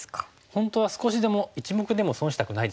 本当は少しでも１目でも損したくないですよね。